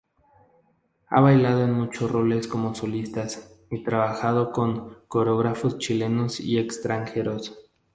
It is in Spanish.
Ha bailado en muchos roles como solistas, y trabajado con coreógrafos chilenos y extranjeros.